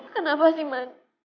kenapa sih man